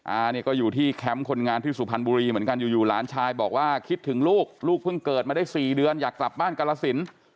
อาเนี่ยก็อยู่ที่แคมป์คนงานที่สุพรรณบุรีเหมือนกันอยู่หลานชายบอกว่าคิดถึงลูกลูกเพิ่งเกิดมาได้๔เดือนอยากกลับบ้านกรสิน